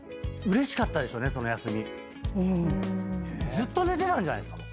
ずっと寝てたんじゃないですか？